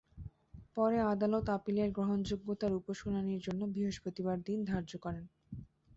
পরে আদালত আপিলের গ্রহণযোগ্যতার ওপর শুনানির জন্য বৃহস্পতিবার দিন ধার্য করেন।